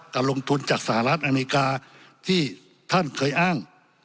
การลงทุนจากสหรัฐอเมริกาที่ท่านเคยอ้าง